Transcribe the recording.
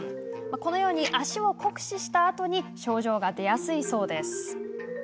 このように足を酷使したあとに症状が出やすいそうです。